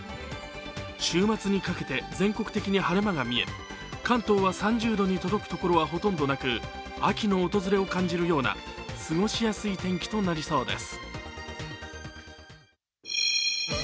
週末にかけて全国的に晴れ間が見え、関東は３０度に届くところはほとんどなく、秋の訪れを感じるような過ごしやすい天気となりそうです。